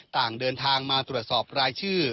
ต่างเดินทางมาตรวจสอบรายชื่อ